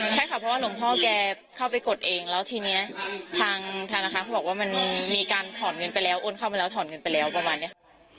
ใช่ค่ะเพราะว่าหลวงพ่อแกเข้าไปกดเองแล้วทีนี้ทางธนาคารเขาบอกว่ามันมีการถอนเงินไปแล้วโอนเข้ามาแล้วถอนเงินไปแล้วประมาณนี้ค่ะ